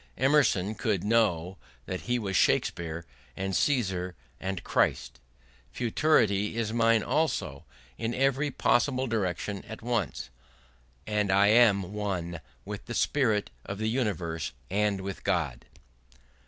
Emerson could know that he was Shakespeare and Caesar and Christ. Futurity is mine also, in every possible direction at once; and I am one with the spirit of the universe and with God.